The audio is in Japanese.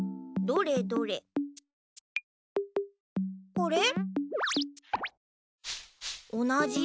どれどれ。